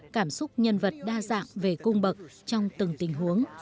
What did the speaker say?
cảm xúc nhân vật đa dạng về cung bậc trong từng tình huống